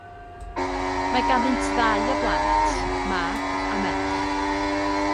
Mae ganddynt ddau o blant, mab a merch.